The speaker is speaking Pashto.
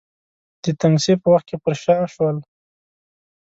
د تنګسې په وخت کې پر شا شول.